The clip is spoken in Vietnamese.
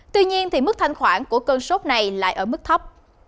tuy nhiên mức thanh khoản của cơn sốt này lại ở mức thấp